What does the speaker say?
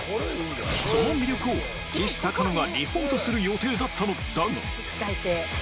その魅力をきしたかのがリポートする予定だったのだが